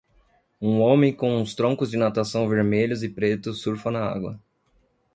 Um homem com os troncos de natação vermelhos e pretos surfa na água.